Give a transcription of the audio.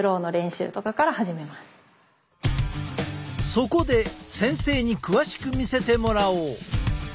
そこで先生に詳しく見せてもらおう！